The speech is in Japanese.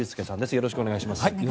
よろしくお願いします。